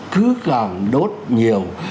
cứ càng đốt nhiều